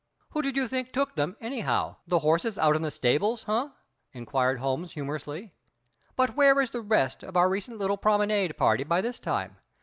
"Who did you think took them, anyhow? The horses out in the stables, huh?" inquired Holmes humorously. "But where is the rest of our recent little promenade party by this time?